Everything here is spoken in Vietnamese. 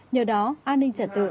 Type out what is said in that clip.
nhờ đó an ninh trật tự